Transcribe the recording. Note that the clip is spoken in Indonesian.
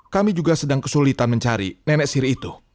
kami juga sedang kesulitan mencari nenek siri itu